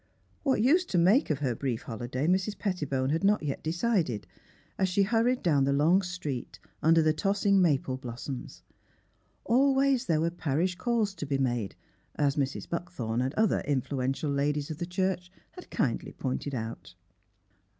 What use to make of her brief holiday Mrs. Pettibone had not yet decided, as she hurried down the long street under the tossing maple blossoms. Always there were parish calls to be made, as Mrs. Buckthorn and other influential ladies of the church had kindly pointed out.